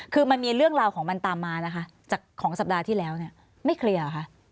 คือมันมีเรื่องราวของมันตามมานะคะจากของสัปดาห์ที่แล้วเนี่ยไม่เคลียร์เหรอคะ